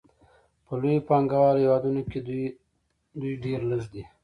په لویو پانګوالو هېوادونو کې دوی ډېر لږ دي